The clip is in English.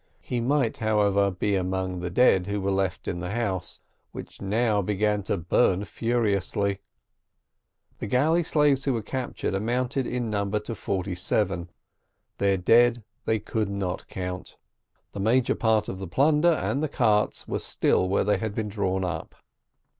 He might however, be among the dead who were left in the house, which now began to burn furiously. The galley slaves who were captured amounted in number to forty seven. Their dead they could not count. The major part of the plunder and the carts were still where they had been drawn up.